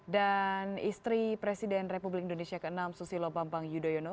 dan istri presiden republik indonesia ke enam susilo bambang yudhoyono